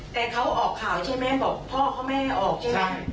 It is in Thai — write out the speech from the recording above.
แต่เขาออกข่าวใช่ไหมบอกพ่อเขาไม่ให้ออกใช่ไหม